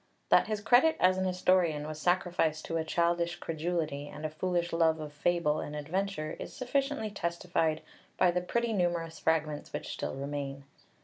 That his credit as an historian was sacrificed to a childish credulity and a foolish love of fable and adventure is sufficiently testified by the pretty numerous fragments which still remain (Pauly).